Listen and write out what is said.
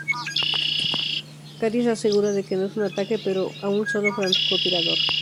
Carrie está segura de que no es un ataque para un solo francotirador.